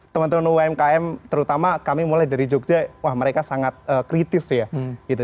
teman teman umkm terutama kami mulai dari jogja wah mereka sangat kritis ya gitu